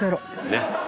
ねっ！